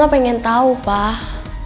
kalo pengen tau pak